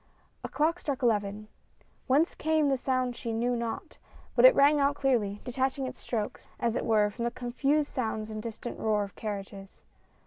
A clock struck eleven. Whence came the sound she knew not, but it rang out clearly, detaching its strokes, as it were, from the confused soun^ls and distant roar of carriages.